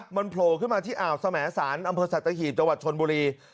มันโผล่ขึ้นมาที่อ่าวสมแสนอำเภอสัตว์ตะขีบจชนบุรี